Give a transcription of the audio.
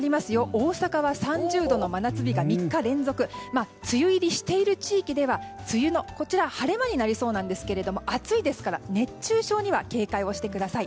大阪は３０度の真夏日が３日連続で梅雨入りしている地域では梅雨の晴れ間になりそうですが暑いですから熱中症には警戒をしてください。